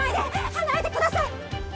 離れてください！